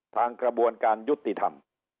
ทางกระบวนการยุติธรรม